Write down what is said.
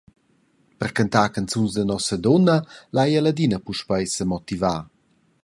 Per cantar canzuns da Nossadunna lai ella adina puspei semotivar.